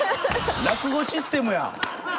落語システムやん。